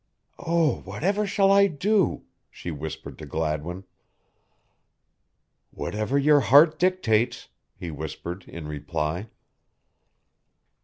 "Oh, whatever shall I do?" she whispered to Gladwin. "Whatever your heart dictates," he whispered in reply.